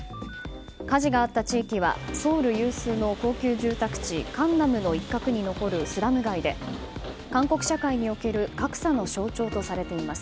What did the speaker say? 火事があった地域はソウル有数の高級住宅地カンナムの一角に残るスラム街で韓国社会における格差の象徴とされています。